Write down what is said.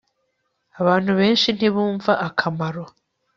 Abantu benshi ntibumva akamaro